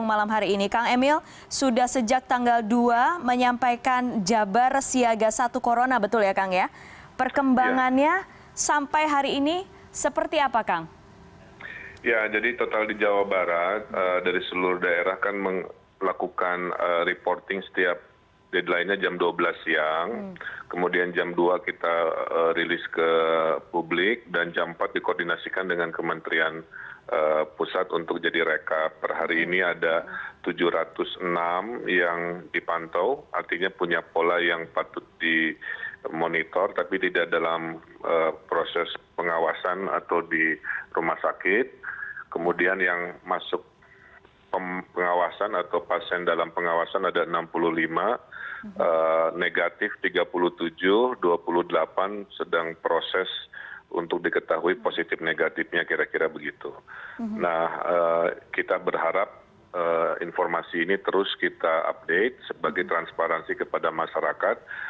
nah kita berharap informasi ini terus kita update sebagai transparansi kepada masyarakat